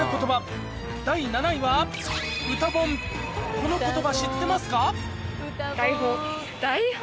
この言葉知ってますか？